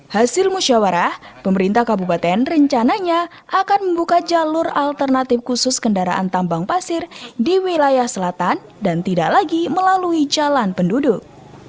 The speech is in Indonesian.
hasil musyawarah pemerintah kabupaten rencananya akan membuka jalur alternatif khusus kendaraan tambang pasir di wilayah selatan dan tidak lagi melalui jalan penduduk